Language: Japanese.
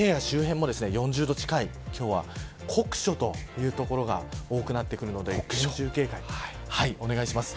濃尾平野周辺でも４０度近い今日は酷暑という所が多くなってくるので厳重警戒をお願いします。